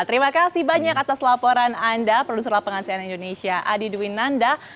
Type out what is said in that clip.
terima kasih banyak atas laporan anda produsen pengasian indonesia adi dewinanda